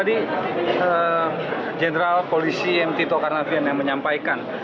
dari gen pol tito karnavian yang menyampaikan